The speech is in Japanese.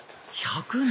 １００年！